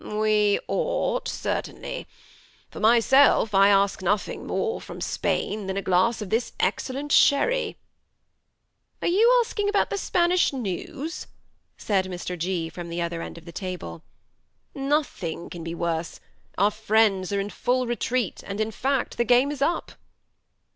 ''We ought, certainly. For myself, I ask nodiing more from Spain than a glass of this excellent sherry." '' Are you asking about the Spanish news ?" said Mr. 6., from the other end of the table. ^ Nothing can be worse ; our friends are in full retreat, and, in faet, the game is up."